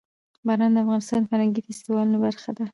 باران د افغانستان د فرهنګي فستیوالونو برخه ده.